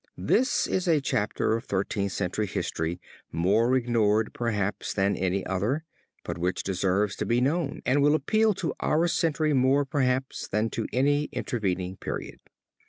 This is a chapter of Thirteenth Century history more ignored perhaps than any other, but which deserves to be known and will appeal to our century more perhaps than to any intervening period.